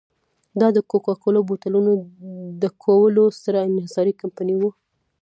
دا د کوکا کولا بوتلونو ډکولو ستره انحصاري کمپنۍ وه.